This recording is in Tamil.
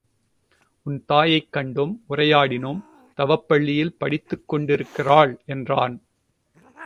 உன் தாயைக் கண்டோம் உரையாடினோம் தவப் பள்ளியில் படித்துக் கொண்டிருக்கிறாள் என்றான்.